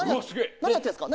何やってんですか？